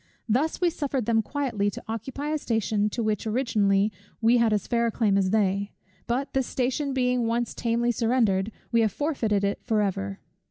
Thus we suffered them quietly to occupy a station to which originally we had as fair a claim as they; but, this station being once tamely surrendered, we have forfeited it for ever.